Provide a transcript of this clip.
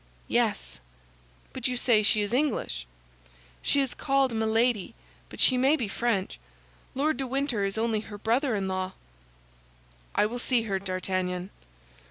"Yes." "But you say she is English?" "She is called Milady, but she may be French. Lord de Winter is only her brother in law." "I will see her, D'Artagnan!"